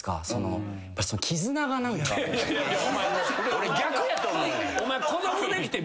俺逆やと思うねん。